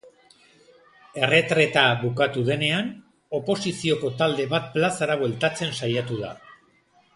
Erretreta bukatu denean, oposizioko talde bat plazara bueltatzen saiatu da.